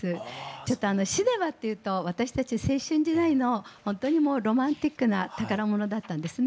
ちょっと「シネマ」っていうと私たち青春時代のほんとにもうロマンティックな宝物だったんですね。